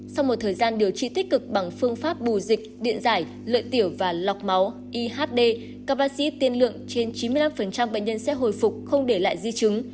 sau một thời gian điều trị tích cực bằng phương pháp bù dịch điện giải lợi tiểu và lọc máu ihd các bác sĩ tiên lượng trên chín mươi năm bệnh nhân sẽ hồi phục không để lại di chứng